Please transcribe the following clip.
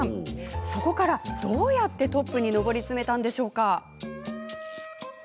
そこから、どうやってトップに上り詰めたんでしょうか。